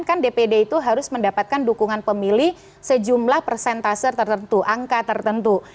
kan dpd itu harus mendapatkan dukungan pemilih sejumlah persentase tertentu angka tertentu